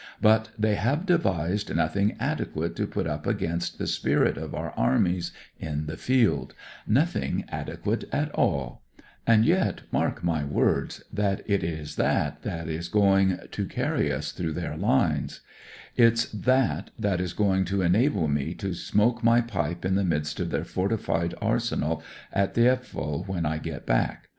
But they have devised nothing adequate to put up against the spirit of our armies in the field ; nothing adequate at all. And yet, mark my words, that it is that is going to 'If* 114 A REVEREND CORPORAL carry us through their lines. It's that that is going to enable me to smoke my pipe in the midst of their fortified arsenal at Thi^pval when I get back.